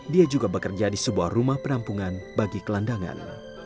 dia juga bekerja di sebuah rumah perampungan bagi gelandangan